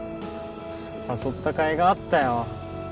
誘った甲斐があったよ